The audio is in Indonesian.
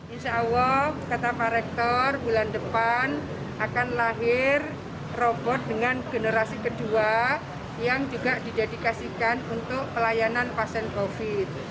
insya allah kata pak rektor bulan depan akan lahir robot dengan generasi kedua yang juga didedikasikan untuk pelayanan pasien covid